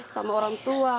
sama orang tua